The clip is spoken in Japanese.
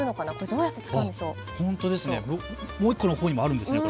どうやって使うんでしょうか。